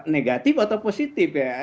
negatif atau positif ya